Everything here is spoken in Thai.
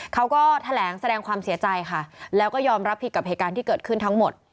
เขาก็แถลงแสดงความเสียใจค่ะแล้วก็ยอมรับผิดกับเหตุการณ์ที่เกิดขึ้นทั้งหมด